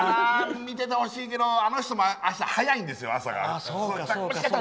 見ててほしいけどあの人もあした朝早いんですよ。